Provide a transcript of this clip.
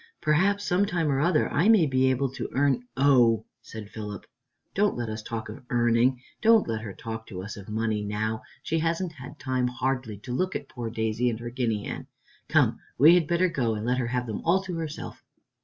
Perhaps some time or other I may be able to earn " "Oh," said Philip, "don't let us talk of earning; don't let her talk to us of money now; she hasn't had time hardly to look at poor Daisy and her guinea hen. Come, we had better go and let her have them all to herself."